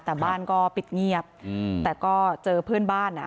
แต่บ้านก็ปิดเงียบอืมแต่ก็เจอเพื่อนบ้านอ่ะ